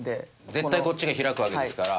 絶対こっちが開くわけですから。